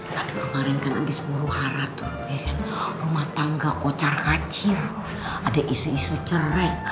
tadi kemarin kan habis buru hara tuh rumah tangga kocar kacir ada isu isu cerai